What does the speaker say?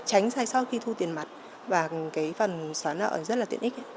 tránh sai sót khi thu tiền mặt và cái phần xóa nợ rất là tiện ích